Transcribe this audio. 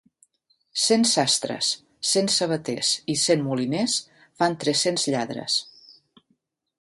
Cent sastres, cent sabaters i cent moliners fan tres-cents lladres.